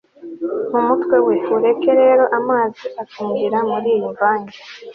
mu mutwe we. ureka rero amazi akinjira muriyi mvange